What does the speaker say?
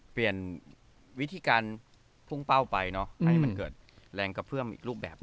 เปลี่ยนวิธีการพุ่งเป้าไปเนาะให้มันเกิดแรงกระเพื่อมอีกรูปแบบ